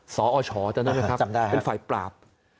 สอชเจ้านั่นนะครับเป็นฝ่ายปราบ